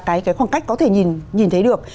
cái khoảng cách có thể nhìn thấy được